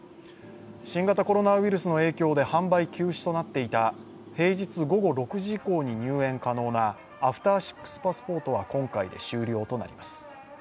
新型コロナウイルスの影響で販売休止となっていた平日午後６時以降に入園可能なアフター６パスポートは今回で終了となります。